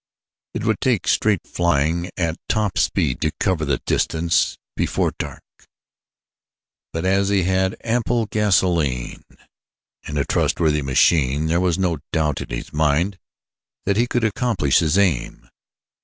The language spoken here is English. It would take straight flying at top speed to cover the distance before dark; but as he had ample gasoline and a trustworthy machine there was no doubt in his mind but that he could accomplish his aim.